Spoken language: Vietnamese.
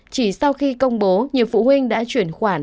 chỉ sau khi công bố nhiều phụ huynh đã chuyển khoản